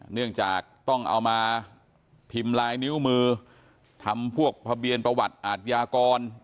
เนื่องจากต้องเอามาพิมพ์ลายนิ้วมือทำพวกทะเบียนประวัติอาทยากร